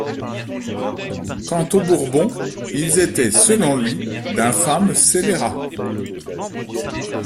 Quant aux Bourbons, ils étaient, selon lui, d'infâmes scélérats.